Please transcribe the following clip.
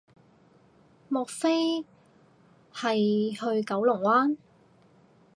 莫非係去九龍灣